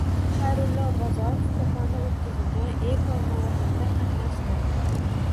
Xayrullo Bozorov Qo‘qonda o‘tkazilgan ekomarafonda qatnashdi